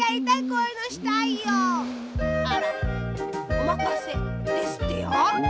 あら「おまかせ」ですってよ。